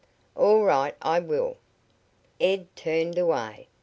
"All right, I will." Ed turned away.